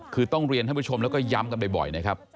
คือต้องเรียนท่านผู้ชมแล้วก็ย้ำกันบ่อยนะครับ